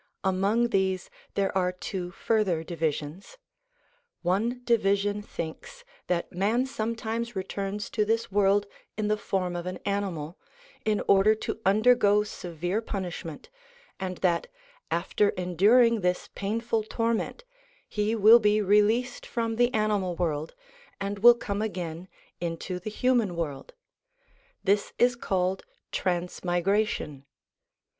Among these there are two further divisions : one division thinks that man sometimes returns to this world in the form of an animal, in order to undergo severe punishment, and that, after enduring this pain ful torment, he will be released from the animal world and will come again into the human world; this is called transmigration.